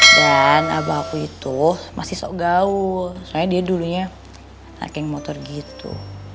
dan abah aku itu masih sok gaul soalnya dia dulunya pake motor gitu